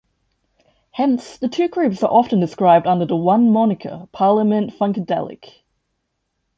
Hence, the two groups are often described under the one moniker Parliament-Funkadelic.